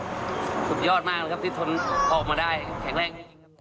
สุดยอดมากครับที่ทนออกมาได้แข็งแรง